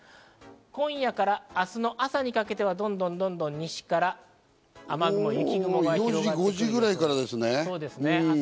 今夜から明日の朝にかけては、どんどん西から雨雲、雪雲が広がってきます。